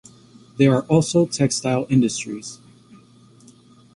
There are also textile industries.